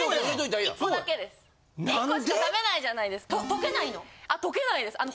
溶けないです。